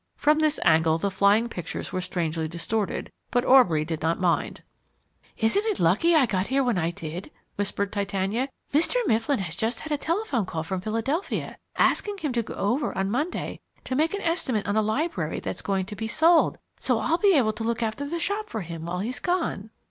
From this angle the flying pictures were strangely distorted, but Aubrey did not mind. "Isn't it lucky I got here when I did," whispered Titania. "Mr. Mifflin has just had a telephone call from Philadelphia asking him to go over on Monday to make an estimate on a library that's going to be sold so I'll be able to look after the shop for him while he's gone."